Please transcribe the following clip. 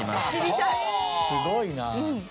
すごいな。